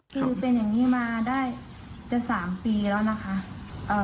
คือเป็นอย่างงี้มาได้แต่สามปีแล้วนะคะเอ่อ